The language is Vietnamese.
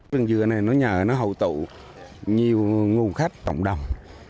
rừng dừa này nó nhờ nó hậu tụ nhiều ngu khách tổng đồng